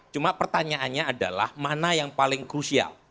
cuma pertanyaannya adalah mana yang paling krusial